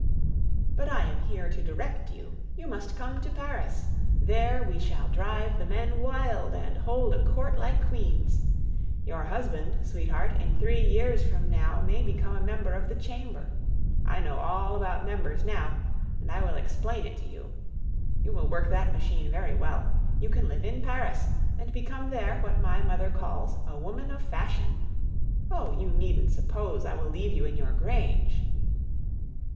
But I am here to direct you; you must come to Paris. There we shall drive the men wild and hold a court like queens. Your husband, sweetheart, in three years from now may become a member of the Chamber. I know all about members now, and I will explain it to you. You will work that machine very well; you can live in Paris, and become there what my mother calls a woman of fashion. Oh! you needn't suppose I will leave you in your grange!